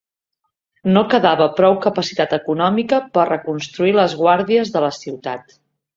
No quedava prou capacitat econòmica per reconstruir les guàrdies de la ciutat.